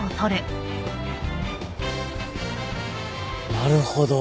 なるほど。